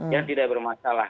yang tidak bermasalah